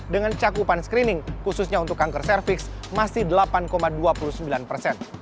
dengan cakupan screening khususnya untuk kanker cervix masih delapan dua puluh sembilan persen